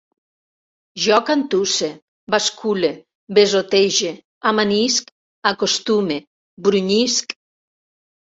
Jo cantusse, bascule, besotege, amanisc, acostume, brunyisc